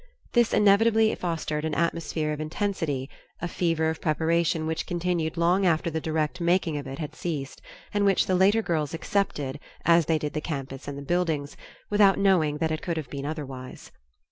This inevitably fostered an atmosphere of intensity, a fever of preparation which continued long after the direct making of it had ceased, and which the later girls accepted, as they did the campus and the buildings, without knowing that it could have been otherwise.